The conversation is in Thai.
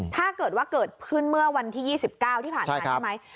ถ้าเกิดว่าเกิดขึ้นเมื่อวันที่๒๙ที่ผ่านมาได้ไหม